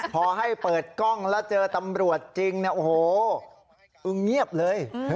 พอให้เปิดกล้องแล้วเจอตำรวจจริงเนี่ยโอ้โหอึงเงียบเลย